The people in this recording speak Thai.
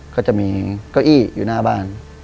ก็จะมีเก้าอี้อยู่หน้าบ้าน